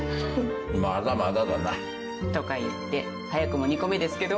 まだまだだな。とか言って早くも２個目ですけど。